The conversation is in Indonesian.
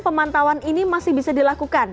pemantauan ini masih bisa dilakukan